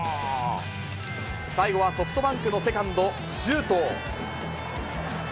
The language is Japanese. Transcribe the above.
最後はソフトバンクのセカンド、周東。